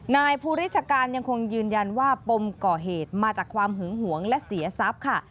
นายภูริชการยังคงยืนยันว่าปมก่อเหตุมาจากความหึงหวงและเสียทรัพย์ค่ะ